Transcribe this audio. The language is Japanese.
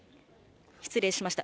失礼しました。